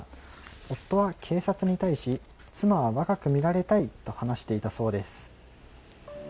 夫は警察に対し妻は若く見られたいと話していたそうです。